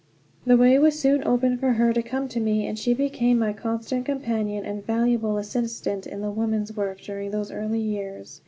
The way was soon opened for her to come to me, and she became my constant companion and valuable assistant in the women's work during those early years.